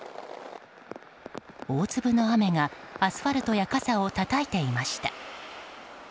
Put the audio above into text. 大粒の雨がアスファルトや傘をたたいていました。